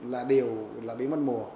là điều là bị mất mùa